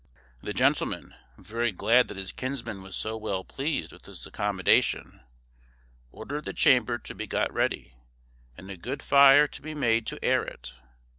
The gentleman, very glad that his kinsman was so well pleased with his accommodation, ordered the chamber to be got ready and a good fire to be made to air it.